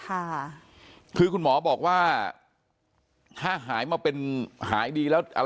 อายุ๑๐ปีนะฮะเขาบอกว่าเขาก็เห็นถูกยิงนะครับ